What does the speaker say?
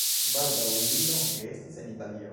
Baldaŭ li longe estis en Italio.